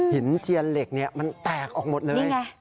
หินเจียนเหล็กเนี่ยมันแตกออกหมดเลย